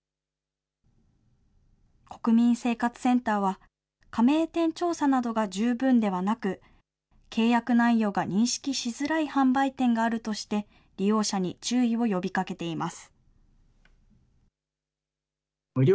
国民生活センターは加盟店調査などが十分ではなく、契約内容が認識しづらい販売店があるとして、利用者に注意を呼びかけています。